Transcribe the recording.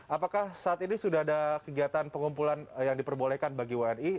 apakah saat ini sudah ada kegiatan pengumpulan yang diperbolehkan bagi wni